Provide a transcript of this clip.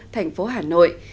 thành phố hà nội